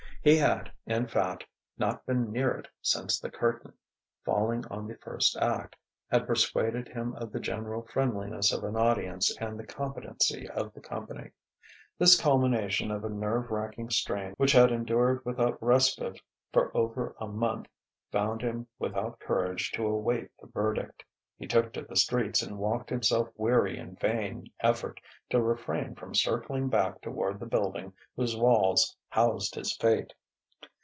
He had, in fact, not been near it since the curtain, falling on the first act, had persuaded him of the general friendliness of an audience and the competency of the company. This culmination of a nerve racking strain which had endured without respite for over a month found him without courage to await the verdict. He took to the streets and walked himself weary in vain effort to refrain from circling back toward the building whose walls housed his fate.